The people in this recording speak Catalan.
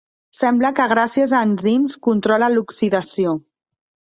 Sembla que gràcies a enzims controla l'oxidació.